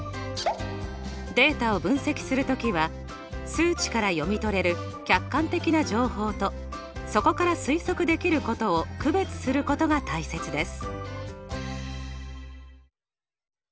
データを分析する時は数値から読み取れる客観的な情報とそこから推測できることを区別することが大切です。